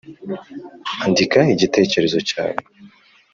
Andika igitekerezo cyawe